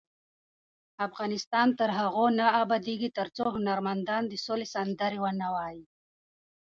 افغانستان تر هغو نه ابادیږي، ترڅو هنرمندان د سولې سندرې ونه وايي.